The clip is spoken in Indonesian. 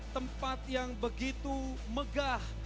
tempat yang begitu megah